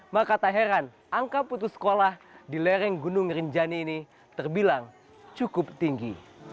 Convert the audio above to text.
maka tak heran angka putus sekolah di lereng gunung rinjani ini terbilang cukup tinggi